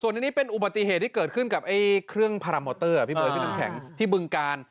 ส่วนนี้เป็นอุบัติเหตุที่เกิดขึ้นกับเครื่องพารามอเตอร์ที่บึงกาล